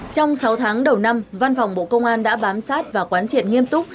trong sáu tháng đầu năm văn phòng bộ công an đã bám sát và quán triệt nghiêm túc